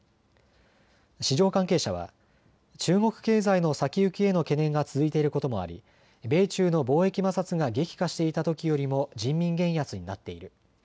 市場関係者は、中国経済の先行きへの懸念が続いていることもあり米中の貿易摩擦が激化していたときよりも人民元安になっている。